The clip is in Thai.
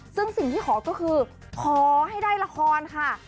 ซึ่งสิ่งที่ขอก็คือขอให้ได้ละครค่ะ